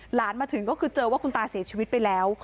มาถึงก็คือเจอว่าคุณตาเสียชีวิตไปแล้ว